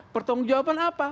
pertanggung jawaban apa